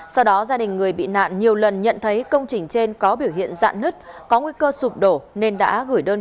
sau đó gia đình người bị nạn nhiều lần nhận thấy công trình trên có biểu hiện dạn nứt có nguy cơ sụp đổ nên đã gửi đơn